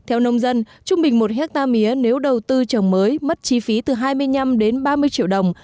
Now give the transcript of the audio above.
theo nông dân trung bình một hectare mía nếu đầu tư trồng mới mất chi phí từ hai mươi năm đến ba mươi triệu đồng